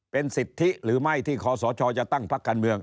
เป็นสิทธิหรือไม่ที่คอสชจะตั้งพักการเมือง